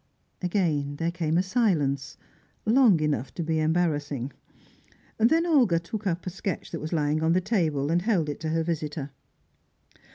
Again there came a silence, long enough to be embarrassing. Then Olga took up a sketch that was lying on the table, and held it to her visitor.